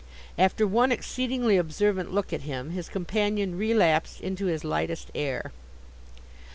After one exceedingly observant look at him, his companion relapsed into his lightest air.